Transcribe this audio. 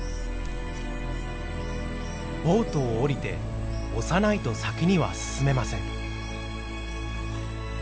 ボートを降りて押さないと先には進めません。